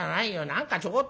何かちょこっと」。